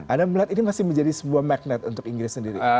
anda melihat ini masih menjadi sebuah magnet untuk inggris sendiri